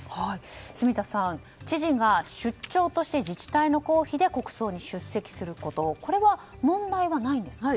住田さん、知事が出張として自治体の公費で国葬に出席することこれは問題はないんですか？